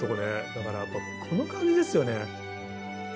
だからやっぱこの感じですよね。